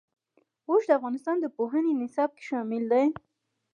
اوښ د افغانستان د پوهنې نصاب کې شامل دي.